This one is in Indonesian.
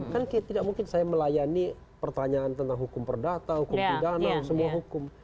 kan tidak mungkin saya melayani pertanyaan tentang hukum perdata hukum pidana semua hukum